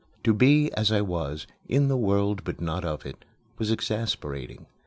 To be, as I was, in the world but not of it, was exasperating.